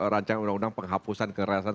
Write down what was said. rancangan undang undang penghapusan kekerasan